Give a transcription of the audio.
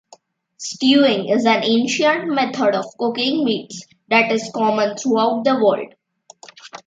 Stewing is an ancient method of cooking meats that is common throughout the world.